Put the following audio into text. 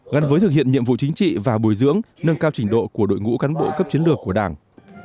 gắn với thực hiện nhiệm vụ chính trị và bồi dưỡng nâng cao trình độ của đội ngũ cán bộ cấp chiến lược của đảng